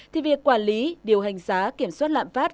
thì việc quản lý điều hành giá kiểm soát lạm phát